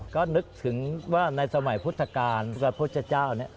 ก็นึกถึงว่าในสมัยพุทธกาลพระพุทธเจ้าเนี่ย